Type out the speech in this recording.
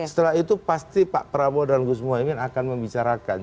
setelah itu pasti pak prabowo dan gus muhaymin akan membicarakan